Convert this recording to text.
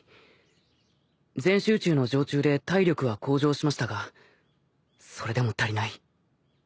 全集中の常中で体力は向上しましたがそれでも足りない。